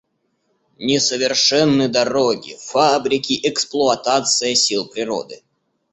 Несовершенны дороги, фабрики, эксплуатация сил природы.